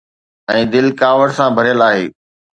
۽ دل ڪاوڙ سان ڀريل آهي.